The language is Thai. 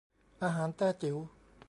อาหารแต้จิ๋ว